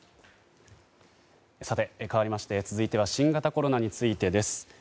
かわりまして、続いては新型コロナについてです。